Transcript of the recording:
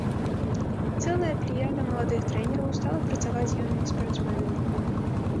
Цэлая плеяда маладых трэнераў стала працаваць з юнымі спартсменамі.